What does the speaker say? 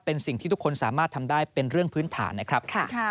เป็นสิ่งที่ทุกคนสามารถทำได้เป็นเรื่องพื้นฐานนะครับ